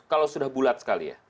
kalau sudah bulat sekali ya